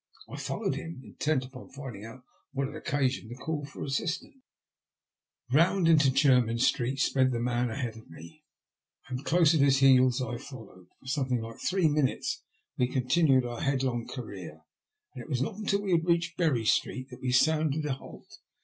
I followed him, intent upon finding out what had occasioned the call for assistance. Bound 48 THE LUST OF HATB. into Jermyn Street sped the man ahead of me, and close at his heels I followed. For something like three minutes we continued our headlong career, and it was not until we had reached Bury Street that we sounded a halt.